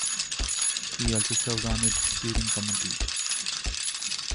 He also served on its steering committee.